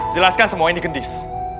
jelaskan semua ini gendis